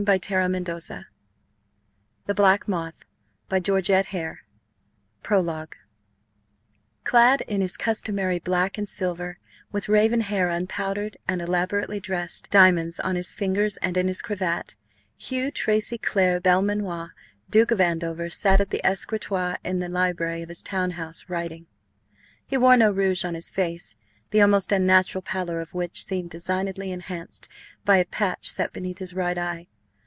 LADY O'HARA IS TRIUMPHANT 326 EPILOGUE 332 PROLOGUE CLAD in his customary black and silver, with raven hair unpowdered and elaborately dressed, diamonds on his fingers and in his cravat, Hugh Tracy Clare Belmanoir, Duke of Andover, sat at the escritoire in the library of his town house, writing. He wore no rouge on his face, the almost unnatural pallor of which seemed designedly enhanced by a patch set beneath his right eye.